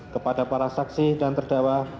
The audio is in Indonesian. kepada para saksi dan terdakwa